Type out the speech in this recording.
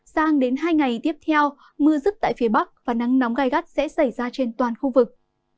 sang đến hai ngày tiếp theo mưa rứt tại phía bắc và nắng nóng gai gắt sẽ xảy ra trên toàn khu vực